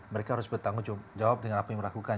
mereka harus bertanggung jawab dengan apa yang dilakukan